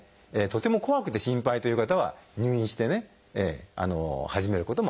とても怖くて心配という方は入院して始めることもあります。